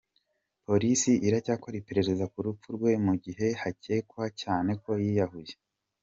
Police iracyakora iperereza ku rupfu rwe mu gihe hakekwa cyane ko yiyahuye.